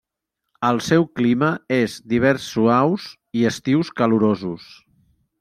El seu clima és d'hiverns suaus i estius calorosos.